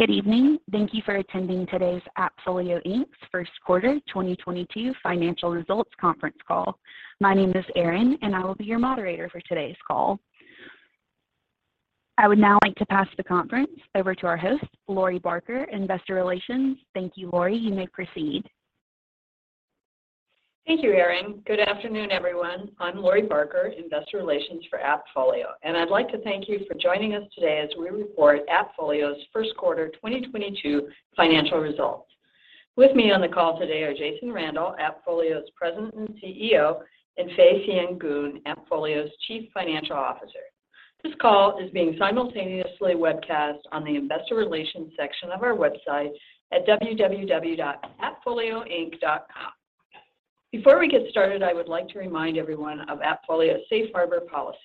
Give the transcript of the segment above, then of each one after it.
Good evening. Thank you for attending today's AppFolio, Inc.'s First Quarter 2022 Financial Results Conference Call. My name is Erin, and I will be your moderator for today's call. I would now like to pass the conference over to our host, Lori Barker, Investor Relations. Thank you, Lori. You may proceed. Thank you, Erin. Good afternoon, everyone. I'm Laurie Barker, investor relations for AppFolio, and I'd like to thank you for joining us today as we report AppFolio's first quarter 2022 financial results. With me on the call today are Jason Randall, AppFolio's President and CEO, and Fay Sien Goon, AppFolio's Chief Financial Officer. This call is being simultaneously webcast on the investor relations section of our website at www.appfolioinc.com. Before we get started, I would like to remind everyone of AppFolio's safe harbor policy.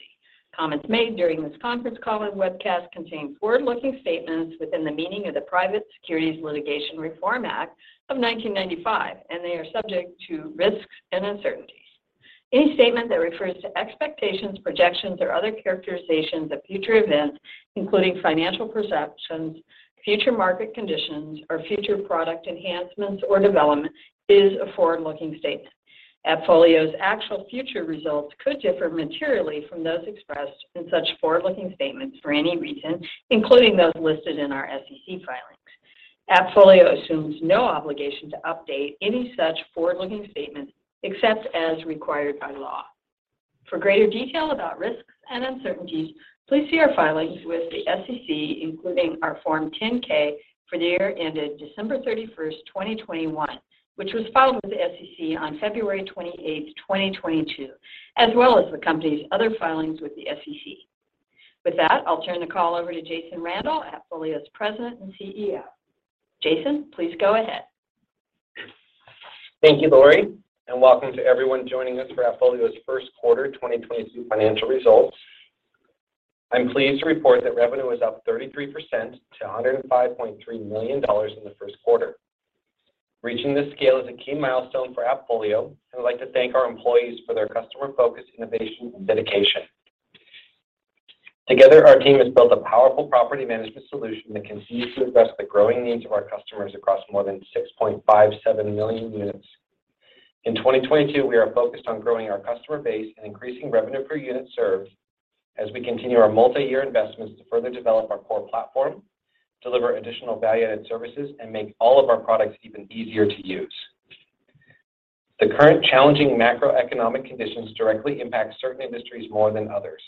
Comments made during this conference call and webcast contain forward-looking statements within the meaning of the Private Securities Litigation Reform Act of 1995, and they are subject to risks and uncertainties. Any statement that refers to expectations, projections, or other characterizations of future events, including financial perceptions, future market conditions, or future product enhancements or development, is a forward-looking statement. AppFolio's actual future results could differ materially from those expressed in such forward-looking statements for any reason, including those listed in our SEC filings. AppFolio assumes no obligation to update any such forward-looking statements except as required by law. For greater detail about risks and uncertainties, please see our filings with the SEC, including our Form 10-K for the year ended December 31st, 2021, which was filed with the SEC on February 28th, 2022, as well as the company's other filings with the SEC. With that, I'll turn the call over to Jason Randall, AppFolio's President and CEO. Jason, please go ahead. Thank you, Lori, and welcome to everyone joining us for AppFolio's First Quarter 2022 Financial Results. I'm pleased to report that revenue is up 33% to $105.3 million in the first quarter. Reaching this scale is a key milestone for AppFolio. I would like to thank our employees for their customer focus, innovation, and dedication. Together, our team has built a powerful property management solution that continues to address the growing needs of our customers across more than 6.57 million units. In 2022, we are focused on growing our customer base and increasing revenue per unit served as we continue our multi-year investments to further develop our core platform, deliver additional value-added services, and make all of our products even easier to use. The current challenging macroeconomic conditions directly impact certain industries more than others.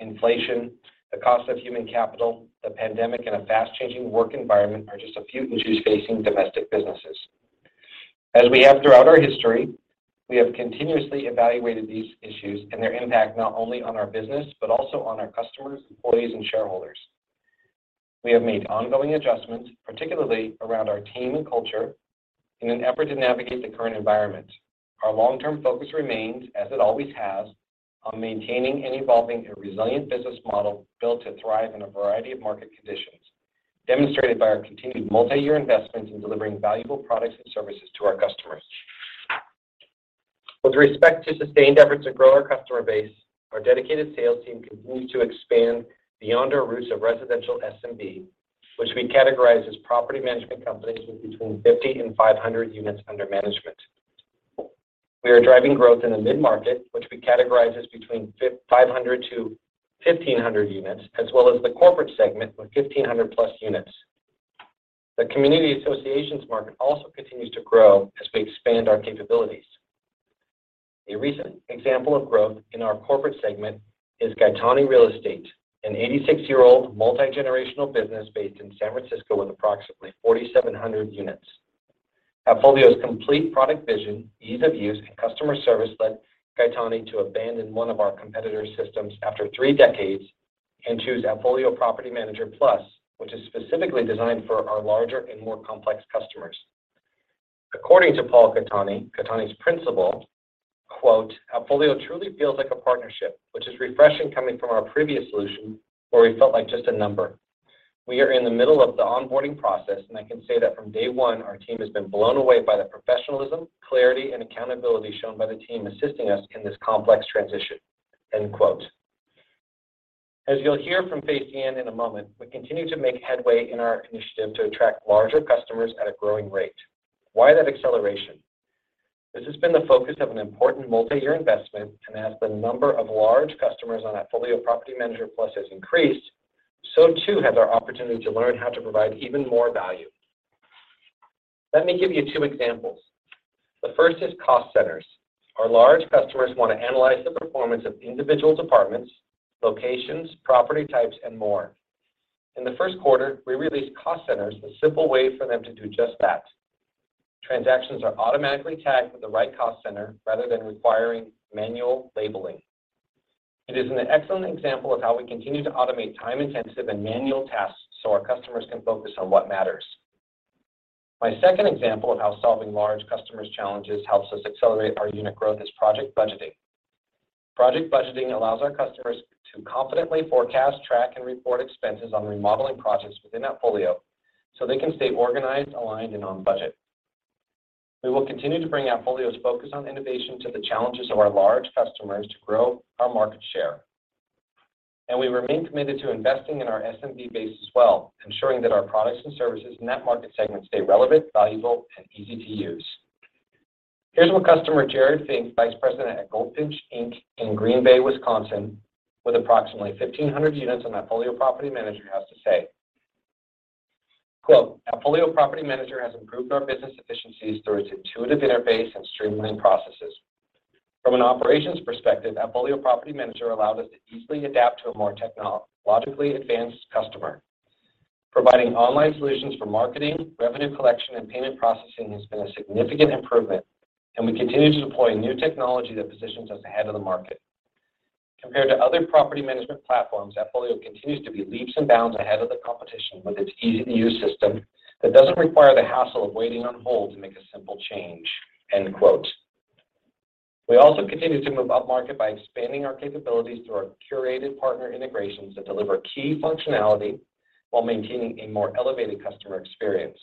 Inflation, the cost of human capital, the pandemic, and a fast changing work environment are just a few issues facing domestic businesses. As we have throughout our history, we have continuously evaluated these issues and their impact not only on our business, but also on our customers, employees, and shareholders. We have made ongoing adjustments, particularly around our team and culture in an effort to navigate the current environment. Our long-term focus remains, as it always has, on maintaining and evolving a resilient business model built to thrive in a variety of market conditions, demonstrated by our continued multi-year investments in delivering valuable products and services to our customers. With respect to sustained efforts to grow our customer base, our dedicated sales team continues to expand beyond our roots of residential SMB, which we categorize as property management companies with between 50 and 500 units under management. We are driving growth in the mid-market, which we categorize as between 500-1,500 units, as well as the corporate segment with 1,500+ units. The community associations market also continues to grow as we expand our capabilities. A recent example of growth in our corporate segment is Gaetani Real Estate, an 86-year-old multi-generational business based in San Francisco with approximately 4,700 units. AppFolio's complete product vision, ease of use, and customer service led Gaetani to abandon one of our competitors' systems after three decades and choose AppFolio Property Manager Plus, which is specifically designed for our larger and more complex customers. According to Paul Gaetani's principal, "AppFolio truly feels like a partnership, which is refreshing coming from our previous solution where we felt like just a number. We are in the middle of the onboarding process, and I can say that from day one our team has been blown away by the professionalism, clarity, and accountability shown by the team assisting us in this complex transition. End quote. As you'll hear from Fay Sien in a moment, we continue to make headway in our initiative to attract larger customers at a growing rate. Why that acceleration? This has been the focus of an important multi-year investment, and as the number of large customers on AppFolio Property Manager Plus has increased, so too has our opportunity to learn how to provide even more value. Let me give you two examples. The first is cost centers. Our large customers want to analyze the performance of individual departments, locations, property types, and more. In the first quarter, we released cost centers, a simple way for them to do just that. Transactions are automatically tagged with the right cost center rather than requiring manual labeling. It is an excellent example of how we continue to automate time-intensive and manual tasks so our customers can focus on what matters. My second example of how solving large customers challenges helps us accelerate our unit growth is project budgeting. Project budgeting allows our customers to confidently forecast, track, and report expenses on remodeling projects within AppFolio so they can stay organized, aligned, and on budget. We will continue to bring AppFolio's focus on innovation to the challenges of our large customers to grow our market share. We remain committed to investing in our SMB base as well, ensuring that our products and services in that market segment stay relevant, valuable, and easy to use. Here's what customer Jared Fink, Vice President at Goldfinch Inc. in Green Bay, Wisconsin, with approximately 1,500 units on AppFolio Property Manager has to say. Quote, "AppFolio Property Manager has improved our business efficiencies through its intuitive interface and streamlined processes. From an operations perspective, AppFolio Property Manager allowed us to easily adapt to a more technologically advanced customer. Providing online solutions for marketing, revenue collection, and payment processing has been a significant improvement, and we continue to deploy new technology that positions us ahead of the market. Compared to other property management platforms, AppFolio continues to be leaps and bounds ahead of the competition with its easy-to-use system that doesn't require the hassle of waiting on hold to make a simple change." End of quote. We also continue to move upmarket by expanding our capabilities through our curated partner integrations that deliver key functionality while maintaining a more elevated customer experience.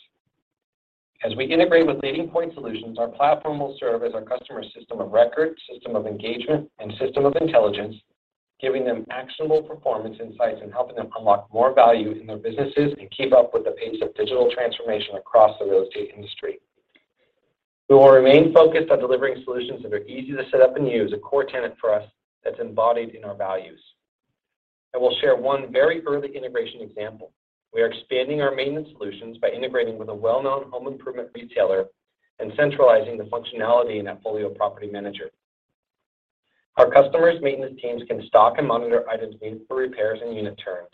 As we integrate with leading point solutions, our platform will serve as our customer system of record, system of engagement, and system of intelligence, giving them actionable performance insights and helping them unlock more value in their businesses and keep up with the pace of digital transformation across the real estate industry. We will remain focused on delivering solutions that are easy to set up and use, a core tenet for us that's embodied in our values. I will share one very early integration example. We are expanding our maintenance solutions by integrating with a well-known home improvement retailer and centralizing the functionality in AppFolio Property Manager. Our customers' maintenance teams can stock and monitor items needed for repairs and unit turns.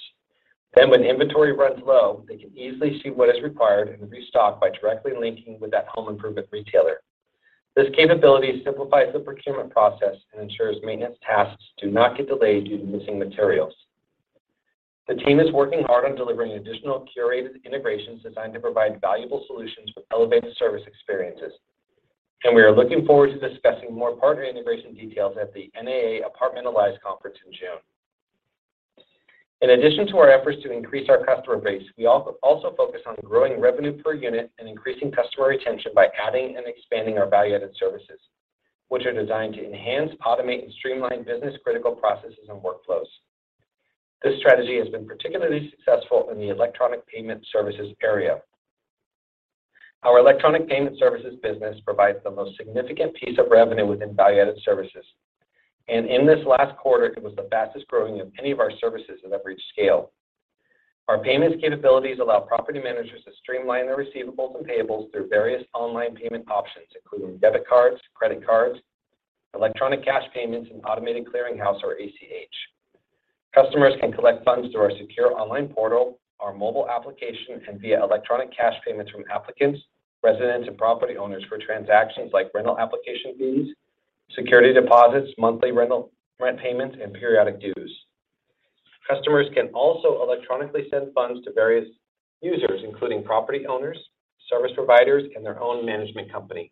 When inventory runs low, they can easily see what is required and restock by directly linking with that home improvement retailer. This capability simplifies the procurement process and ensures maintenance tasks do not get delayed due to missing materials. The team is working hard on delivering additional curated integrations designed to provide valuable solutions with elevated service experiences, and we are looking forward to discussing more partner integration details at the NAA Apartmentalize Conference in June. In addition to our efforts to increase our customer base, we also focus on growing revenue per unit and increasing customer retention by adding and expanding our value-added services, which are designed to enhance, automate, and streamline business-critical processes and workflows. This strategy has been particularly successful in the electronic payment services area. Our electronic payment services business provides the most significant piece of revenue within value-added services. In this last quarter, it was the fastest-growing of any of our services that have reached scale. Our payments capabilities allow property managers to streamline their receivables and payables through various online payment options, including debit cards, credit cards, electronic cash payments, and automated clearing house or ACH. Customers can collect funds through our secure online portal, our mobile application, and via electronic cash payments from applicants, residents, and property owners for transactions like rental application fees, security deposits, monthly rental, rent payments, and periodic dues. Customers can also electronically send funds to various users, including property owners, service providers, and their own management company.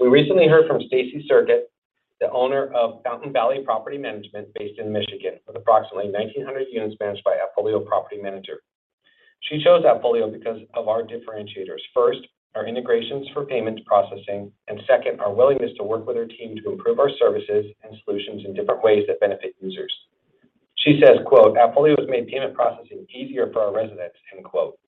We recently heard from Stacey Sergit, the owner of Fountain Valley Property Management based in Michigan, with approximately 1,900 units managed by AppFolio Property Manager. She chose AppFolio because of our differentiators. First, our integrations for payments processing, and second, our willingness to work with her team to improve our services and solutions in different ways that benefit users. She says, quote, "AppFolio has made payment processing easier for our residents." End quote.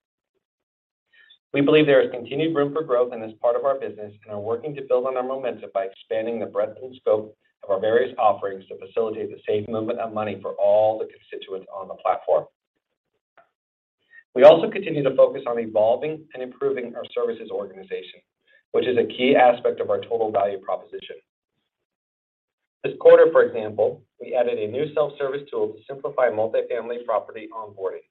We believe there is continued room for growth in this part of our business and are working to build on our momentum by expanding the breadth and scope of our various offerings to facilitate the safe movement of money for all the constituents on the platform. We also continue to focus on evolving and improving our services organization, which is a key aspect of our total value proposition. This quarter, for example, we added a new self-service tool to simplify multifamily property onboarding.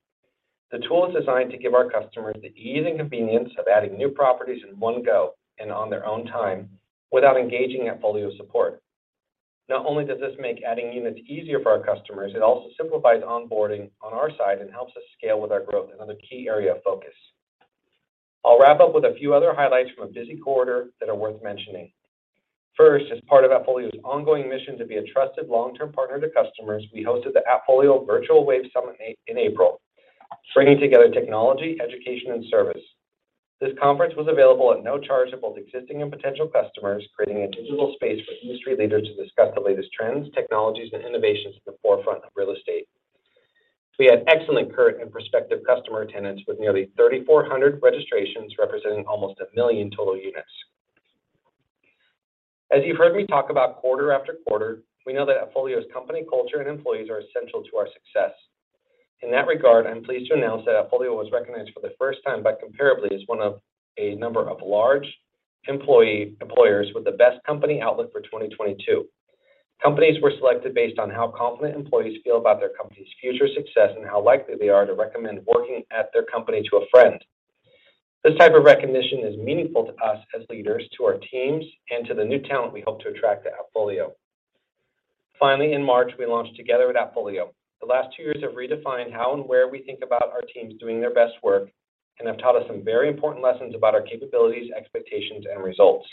The tool is designed to give our customers the ease and convenience of adding new properties in one go and on their own time without engaging AppFolio support. Not only does this make adding units easier for our customers, it also simplifies onboarding on our side and helps us scale with our growth, another key area of focus. I'll wrap up with a few other highlights from a busy quarter that are worth mentioning. First, as part of AppFolio's ongoing mission to be a trusted long-term partner to customers, we hosted the AppFolio Virtual Wave Summit in April, bringing together technology, education, and service. This conference was available at no charge to both existing and potential customers, creating a digital space for industry leaders to discuss the latest trends, technologies, and innovations at the forefront of real estate. We had excellent current and prospective customer attendance with nearly 3,400 registrations representing almost 1 million total units. As you've heard me talk about quarter after quarter, we know that AppFolio's company culture and employees are essential to our success. In that regard, I'm pleased to announce that AppFolio was recognized for the first time by Comparably as one of a number of large employers with the Best Company Outlook for 2022. Companies were selected based on how confident employees feel about their company's future success and how likely they are to recommend working at their company to a friend. This type of recognition is meaningful to us as leaders, to our teams, and to the new talent we hope to attract at AppFolio. Finally, in March, we launched Together at AppFolio. The last two years have redefined how and where we think about our teams doing their best work and have taught us some very important lessons about our capabilities, expectations, and results.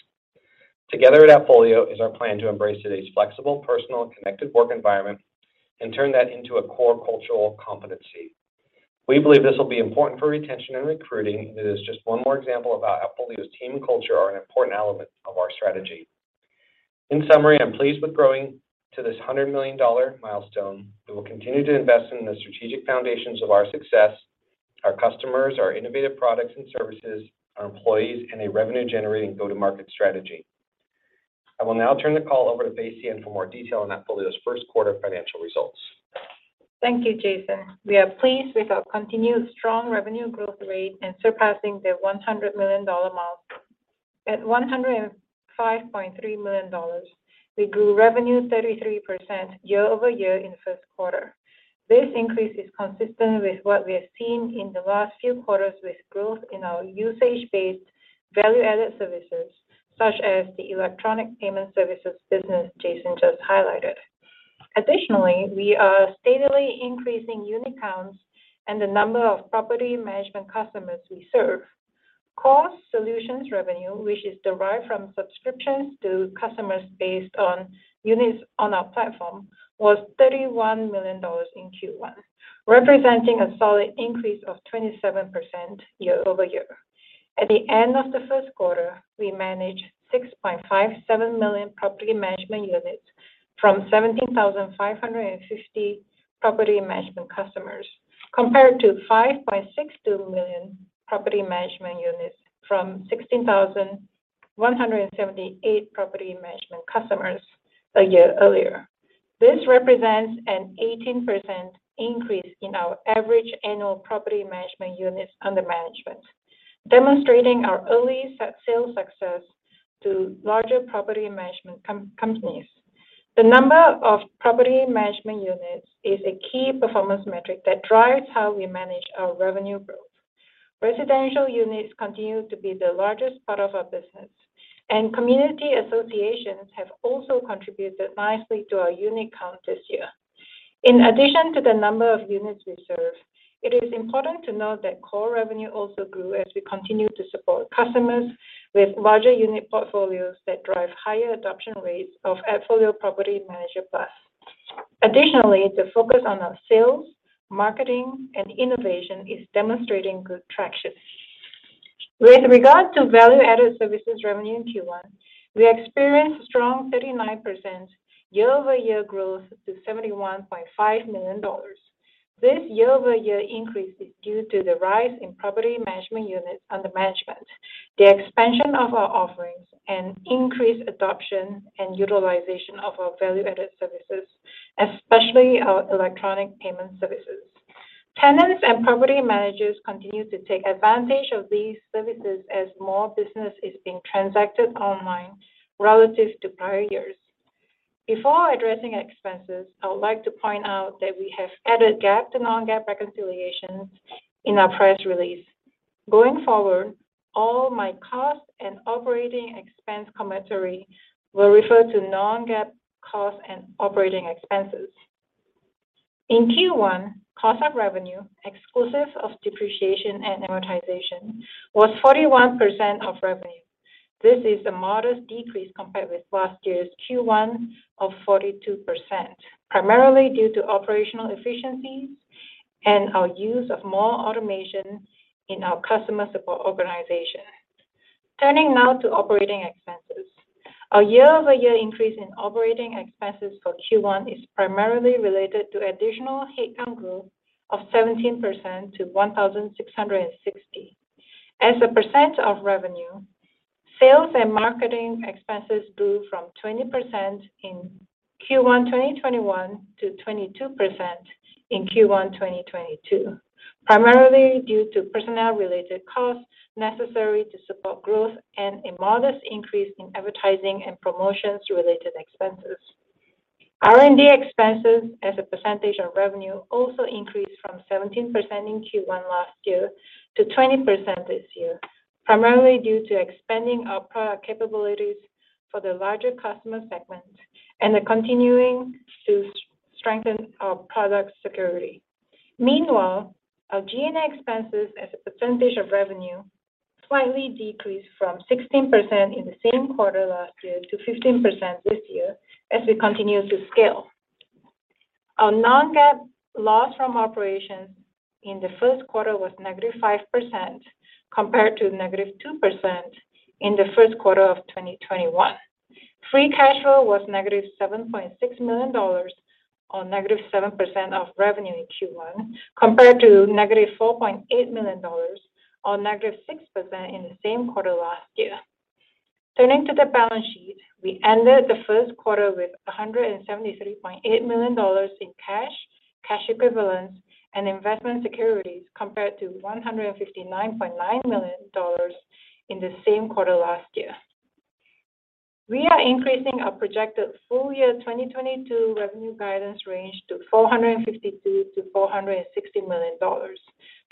Together at AppFolio is our plan to embrace today's flexible, personal, connected work environment and turn that into a core cultural competency. We believe this will be important for retention and recruiting, and it is just one more example of how AppFolio's team and culture are an important element of our strategy. In summary, I'm pleased with growing to this $100 million milestone that will continue to invest in the strategic foundations of our success, our customers, our innovative products and services, our employees, and a revenue-generating go-to-market strategy. I will now turn the call over to Fay Sien Goon for more detail on AppFolio's first quarter financial results. Thank you, Jason. We are pleased with our continued strong revenue growth rate and surpassing the $100 million mark. At $105.3 million, we grew revenue 33% year-over-year in the first quarter. This increase is consistent with what we have seen in the last few quarters with growth in our usage-based value-added services, such as the electronic payment services business Jason just highlighted. Additionally, we are steadily increasing unit counts and the number of property management customers we serve. Core solutions revenue, which is derived from subscriptions to customers based on units on our platform, was $31 million in Q1, representing a solid increase of 27% year-over-year. At the end of the first quarter, we managed 6.57 million property management units from 17,550 property management customers, compared to 5.62 million property management units from 16,178 property management customers a year earlier. This represents an 18% increase in our average annual property management units under management, demonstrating our early sales success to larger property management companies. The number of property management units is a key performance metric that drives how we manage our revenue growth. Residential units continue to be the largest part of our business, and community associations have also contributed nicely to our unit count this year. In addition to the number of units we serve, it is important to note that core revenue also grew as we continue to support customers with larger unit portfolios that drive higher adoption rates of AppFolio Property Manager Plus. Additionally, the focus on our sales, marketing, and innovation is demonstrating good traction. With regard to value-added services revenue in Q1, we experienced strong 39% year-over-year growth to $71.5 million. This year-over-year increase is due to the rise in property management units under management, the expansion of our offerings, and increased adoption and utilization of our value-added services, especially our electronic payment services. Tenants and property managers continue to take advantage of these services as more business is being transacted online relative to prior years. Before addressing expenses, I would like to point out that we have added GAAP to non-GAAP reconciliations in our press release. Going forward, all my cost and operating expense commentary will refer to non-GAAP cost and operating expenses. In Q1, cost of revenue, exclusive of depreciation and amortization, was 41% of revenue. This is a modest decrease compared with last year's Q1 of 42%, primarily due to operational efficiencies and our use of more automation in our customer support organization. Turning now to operating expenses. Our year-over-year increase in operating expenses for Q1 is primarily related to additional headcount growth of 17% to 1,660. As a percent of revenue, sales and marketing expenses grew from 20% in Q1 2021 to 22% in Q1 2022, primarily due to personnel-related costs necessary to support growth and a modest increase in advertising and promotions-related expenses. R&D expenses as a percentage of revenue also increased from 17% in Q1 last year to 20% this year, primarily due to expanding our product capabilities for the larger customer segment and continuing to strengthen our product security. Meanwhile, our G&A expenses as a percentage of revenue slightly decreased from 16% in the same quarter last year to 15% this year as we continue to scale. Our non-GAAP loss from operations in the first quarter was -5% compared to -2% in the first quarter of 2021. Free cash flow was -$7.6 million on -7% of revenue in Q1, compared to -$4.8 million on -6% in the same quarter last year. Turning to the balance sheet, we ended the first quarter with $173.8 million in cash equivalents, and investment securities compared to $159.9 million in the same quarter last year. We are increasing our projected full-year 2022 revenue guidance range to $452 million-$460 million.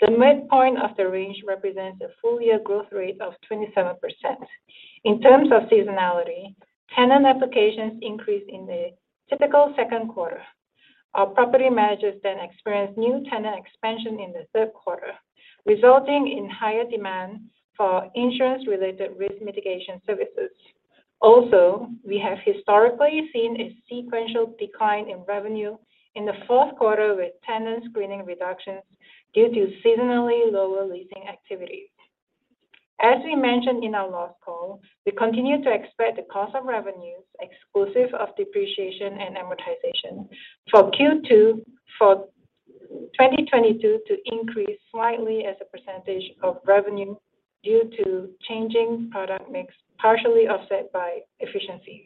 The midpoint of the range represents a full-year growth rate of 27%. In terms of seasonality, tenant applications increase in the typical second quarter. Our property managers then experienced new tenant expansion in the third quarter, resulting in higher demand for insurance-related risk mitigation services. Also, we have historically seen a sequential decline in revenue in the fourth quarter with tenant screening reductions due to seasonally lower leasing activity. As we mentioned in our last call, we continue to expect the cost of revenues exclusive of depreciation and amortization for Q2 for 2022 to increase slightly as a percentage of revenue due to changing product mix, partially offset by efficiencies.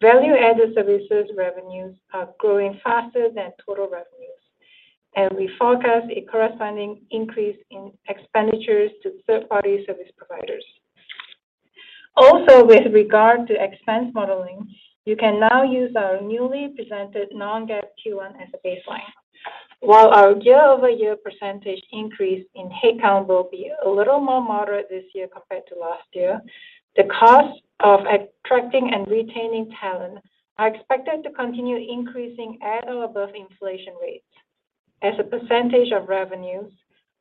Value-added services revenues are growing faster than total revenues, and we forecast a corresponding increase in expenditures to third-party service providers. Also, with regard to expense modeling, you can now use our newly presented non-GAAP Q1 as a baseline. While our year-over-year percentage increase in head count will be a little more moderate this year compared to last year, the cost of attracting and retaining talent are expected to continue increasing at or above inflation rates. As a percentage of revenues,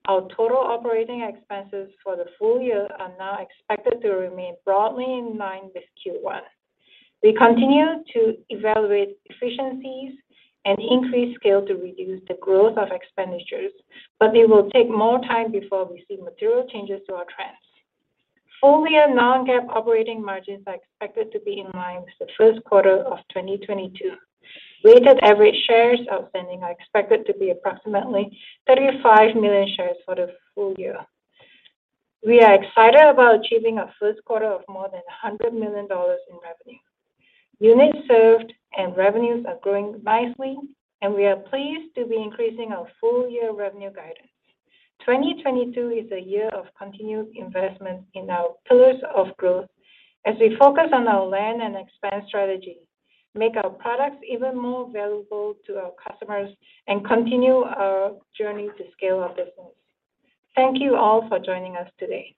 our total operating expenses for the full year are now expected to remain broadly in line with Q1. We continue to evaluate efficiencies and increase scale to reduce the growth of expenditures, but it will take more time before we see material changes to our trends. Full year non-GAAP operating margins are expected to be in line with the first quarter of 2022. Weighted average shares outstanding are expected to be approximately 35 million shares for the full year. We are excited about achieving our first quarter of more than $100 million in revenue. Units served and revenues are growing nicely and we are pleased to be increasing our full year revenue guidance. 2022 is a year of continued investment in our pillars of growth as we focus on our land and expand strategy, make our products even more valuable to our customers, and continue our journey to scale our business. Thank you all for joining us today.